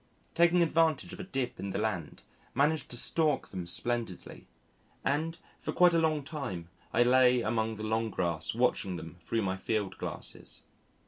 Taking advantage of a dip in the land managed to stalk them splendidly, and for quite a long time I lay among the long grass watching them through my field glasses.